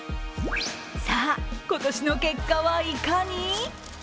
さあ、今年の結果はいかに？